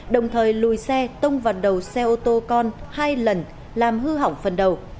đồng thời lùi xe tông vào đầu xe ô tô con hai lần làm hư hỏng phần đầu